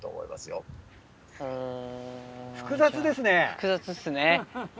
複雑っすね。